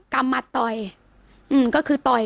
กรรมหมัดต่อยก็คือต่อย